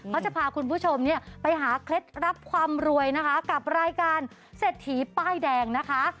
เขาจะพาคุณผู้ชมเนี่ยไปหาเคล็ดลับความรวยนะคะกับรายการเศรษฐีป้ายแดงนะคะ